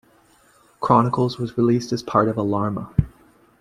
Chronicles, was rereleased as part of the Alarma!